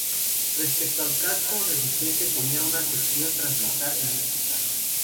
Respecto al casco resistente, tenía una sección transversal elíptica.